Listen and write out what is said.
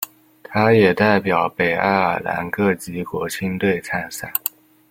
他也代表北爱尔兰各级国青队参赛。